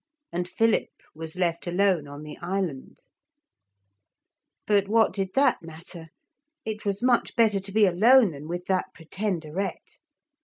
And Philip was left alone on the island. But what did that matter? It was much better to be alone than with that Pretenderette.